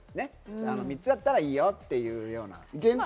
３つだったらいいよっていうようなね。